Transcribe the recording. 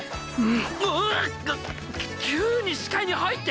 うわっ！